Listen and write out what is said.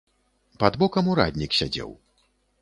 Пад бокам ураднік сядзеў.